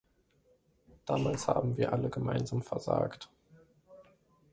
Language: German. Damals haben wir alle gemeinsam versagt.